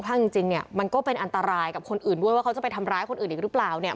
ถ้าจริงจริงเนี่ยมันก็เป็นอันตรายกับคนอื่นด้วยว่าเขาจะไปทำร้ายคนอื่นอีกหรือเปล่าเนี่ย